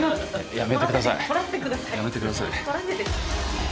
やめてください。